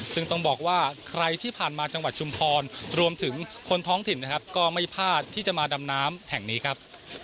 ซึ่งต้องบอกว่าใครที่ผ่านมาจังหวัดชุมพรรวมถึงคนท้องถิ่นนะครับก็ไม่พลาดที่จะมาดำน้ำแห่งนี้ครับ